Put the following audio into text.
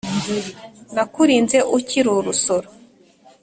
nakurinze ukiri urusoro